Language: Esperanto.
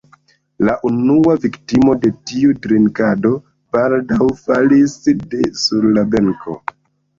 La unua viktimo de tiu drinkado baldaŭ falis de sur la benko.